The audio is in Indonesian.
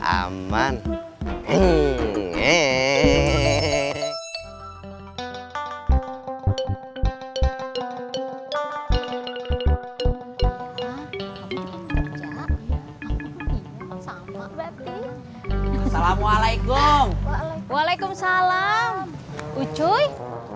assalamualaikum waalaikumsalam ucuy